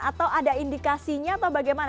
atau ada indikasinya atau bagaimana